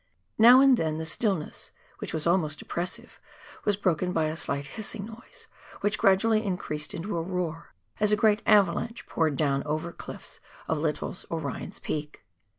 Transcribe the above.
Now and then the stillness, which was almost oppres sive, was broken by a slight hissing noise which gradually increased into a roar as a great avalanche poured down over cliffs of Lyttle's or Ryan's Peak.